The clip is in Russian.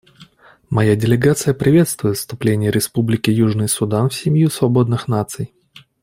Моя делегация приветствует вступление Республики Южный Судан в семью свободных наций.